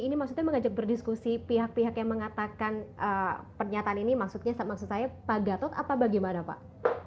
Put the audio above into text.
ini maksudnya mengajak berdiskusi pihak pihak yang mengatakan pernyataan ini maksudnya maksud saya pak gatot apa bagaimana pak